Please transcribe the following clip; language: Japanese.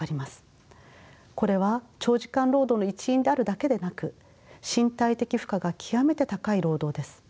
これは長時間労働の一因であるだけでなく身体的負荷が極めて高い労働です。